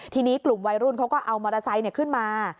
ทีนี้กลุ่มวัยรุ่นเขาก็เอามอเตอร์ไซค์ขึ้นมา